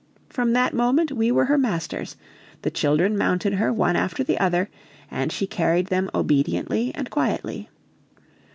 From that moment we were her masters, the children mounted her one after the other, and she carried them obediently and quietly.